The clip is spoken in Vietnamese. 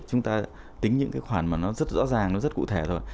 chúng ta tính những cái khoản mà nó rất rõ ràng nó rất cụ thể rồi